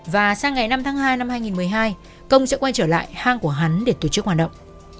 và sang ngày năm tháng hai năm hai nghìn một mươi hai công sẽ quay trở lại hang của hắn để tổ chức hoạt động